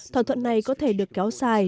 thỏa thuận này có thể được kéo xài